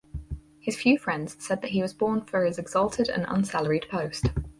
His few friends said that he was born for his exalted and unsalaried post.